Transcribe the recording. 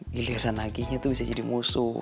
giliran naginya tuh bisa jadi musuh